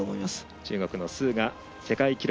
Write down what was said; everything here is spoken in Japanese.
中国の鄒が世界記録